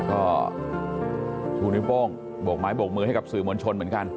ก็ชูนิ้วโป้งโบกไม้โบกมือให้กับสื่อมวลชนเหมือนกัน